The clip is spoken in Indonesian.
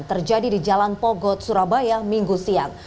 terjadi di jalan pogot surabaya minggu siang